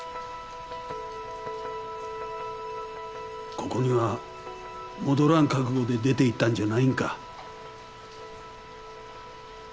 ここには戻らん覚悟で出ていったんじゃないんか？